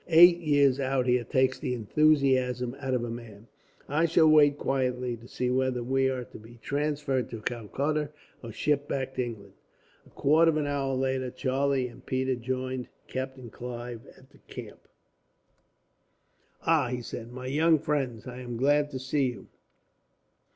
Eight years out here takes the enthusiasm out of a man, and I shall wait quietly to see whether we are to be transferred to Calcutta, or shipped back to England." A quarter of an hour later, Charlie and Peters joined Captain Clive in the camp. "Ah!" he said, "My young friends, I'm glad to see you.